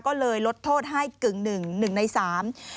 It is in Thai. ก็เลยลดโทษให้กึ่งหนึ่งหนึ่งในสาม